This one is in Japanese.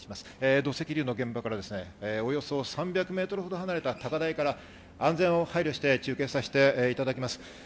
土石流の現場からおよそ３００ｍほど離れた高台から安全を配慮して中継します。